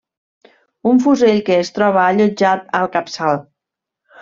Un fusell que es troba allotjat al capçal.